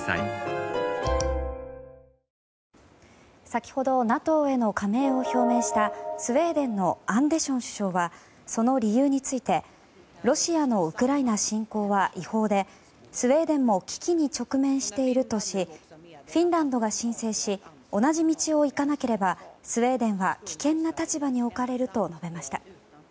先ほどＮＡＴＯへの加盟を表明したスウェーデンのアンデション首相はその理由についてロシアのウクライナ侵攻は違法で、スウェーデンも危機に直面しているとしフィンランドが申請し同じ道を行かなければスウェーデンは危険な立場に置かれると述べました。